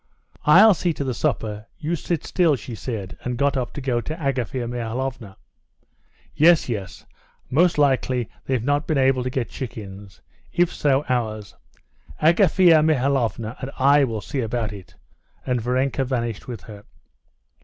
"I'll see to the supper, you sit still," she said, and got up to go to Agafea Mihalovna. "Yes, yes, most likely they've not been able to get chickens. If so, ours...." "Agafea Mihalovna and I will see about it," and Varenka vanished with her.